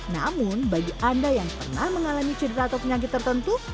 namun bagi anda yang pernah mengalami cedera atau penyakit tertentu